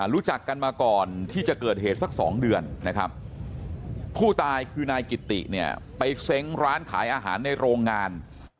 รู้จักกันมาก่อนที่จะเกิดเหตุสัก๒เดือนนะครับผู้ตายคือนายกิติเนี่ยไปเซ้งร้านขายอาหารในโรงงาน